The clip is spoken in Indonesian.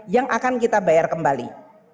yang akan kita bayar kembali